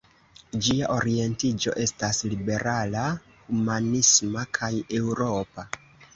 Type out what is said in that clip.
Ĝia orientiĝo estas liberala, humanisma kaj eŭropa.